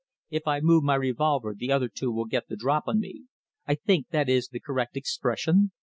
If I move my revolver the other two will get the drop on me I think that is the correct expression?